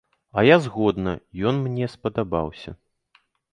А я згодна, ён мне спадабаўся.